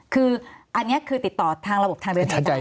คืออันนี้คือติดต่อทางระบบทางเดินหายใจ